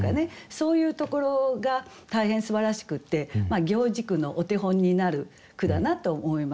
そういうところが大変すばらしくて行事句のお手本になる句だなと思います。